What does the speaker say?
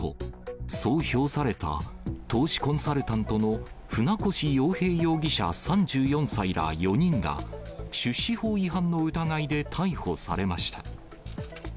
そう評された投資コンサルタントの船越洋平容疑者３４歳ら４人が、出資法違反の疑いで逮捕されました。